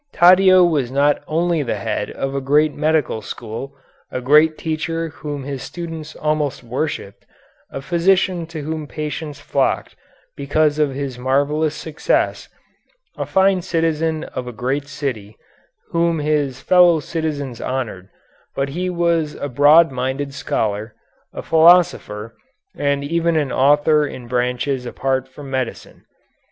Taddeo was not only the head of a great medical school, a great teacher whom his students almost worshipped, a physician to whom patients flocked because of his marvellous success, a fine citizen of a great city, whom his fellow citizens honored, but he was a broad minded scholar, a philosopher, and even an author in branches apart from medicine.